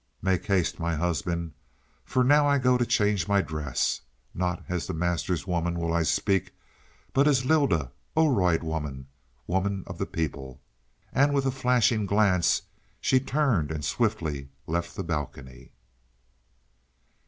"Make haste, my husband, for now I go to change my dress. Not as the Master's woman will I speak, but as Lylda Oroid woman woman of the people." And with a flashing glance, she turned and swiftly left the balcony.